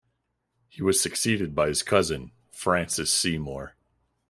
He was succeeded by his cousin, Francis Seymour.